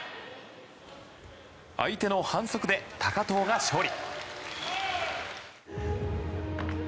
相手の反則で高藤が勝利。